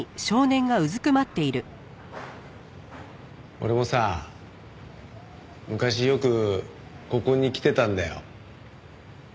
俺もさ昔よくここに来てたんだよ。